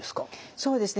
そうですね。